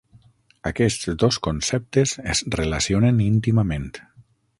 Aquests dos conceptes es relacionen íntimament.